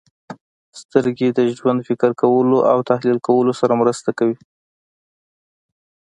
• سترګې د ژور فکر کولو او تحلیل کولو سره مرسته کوي.